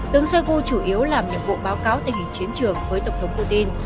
tướng shoigu chủ yếu làm nhiệm vụ báo cáo tình hình chiến trường với tổng thống putin